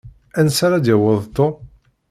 Ansa ara d-yaweḍ Tom?